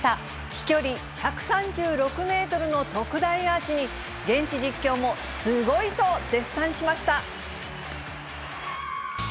飛距離１３６メートルの特大アーチに、現地実況もすごいと絶賛しました。